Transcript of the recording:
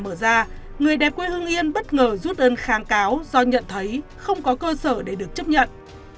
mở ra người đẹp quê hương yên bất ngờ rút đơn kháng cáo do nhận thấy không có cơ sở để được chấp nhận